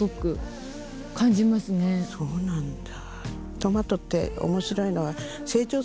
そうなんだ。